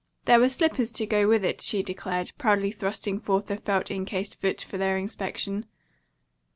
There were slippers to go with it, she declared, proudly thrusting forth a felt incased foot for their inspection.